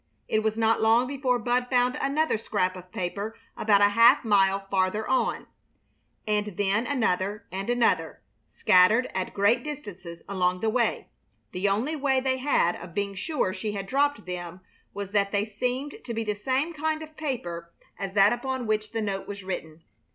It was not long before Bud found another scrap of paper a half mile farther on, and then another and another, scattered at great distances along the way. The only way they had of being sure she had dropped them was that they seemed to be the same kind of paper as that upon which the note was written.